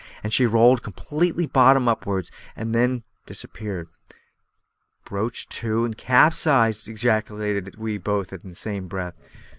She rolled completely bottom upwards, and then disappeared. "Broached to, and capsized!" ejaculated we both in the same breath.